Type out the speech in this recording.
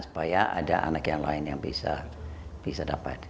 supaya ada anak yang lain yang bisa dapat